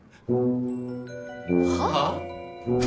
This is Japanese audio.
はあ？